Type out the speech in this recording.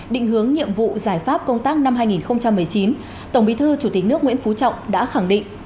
định hướng nhiệm vụ giải pháp công tác năm hai nghìn một mươi chín tổng bí thư chủ tịch nước nguyễn phú trọng đã khẳng định